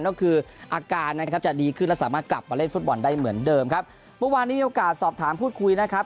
ก็คืออาการนะครับจะดีขึ้นและสามารถกลับมาเล่นฟุตบอลได้เหมือนเดิมครับเมื่อวานนี้มีโอกาสสอบถามพูดคุยนะครับ